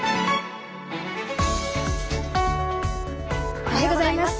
おはようございます。